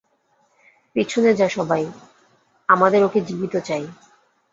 পেছনে যা সবাই, আমাদের ওকে জীবিত চাই।